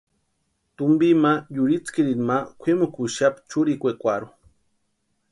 Tumpi ma yutskirini ma kwʼimukuxapti churikwekwarhu.